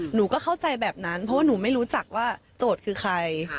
หนูก็เข้าใจแบบนั้นเพราะว่าหนูไม่รู้จักว่าโจทย์คือใคร